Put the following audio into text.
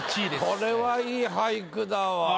これは良い俳句だわ。